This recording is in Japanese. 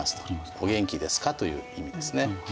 お元気ですか？という意味ですね。